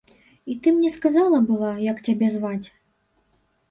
І ты мне сказала была, як цябе зваць.